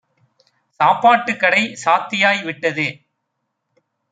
"சாப்பாட்டுக் கடை சாத்தியாய் விட்டது.